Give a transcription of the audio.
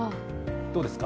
どうですか？